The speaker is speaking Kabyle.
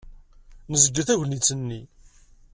Nezgel tagnit-nni.